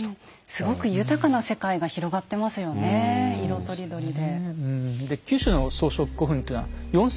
すごく豊かな世界が広がってますよね色とりどりで。